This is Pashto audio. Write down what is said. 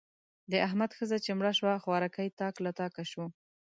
د احمد ښځه چې مړه شوه؛ خوارکی تاک له تاکه شو.